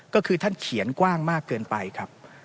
ก็คือท่านเขียนกว้างมากเกินไปครับ